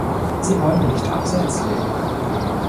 Sie wollen nicht abseits leben.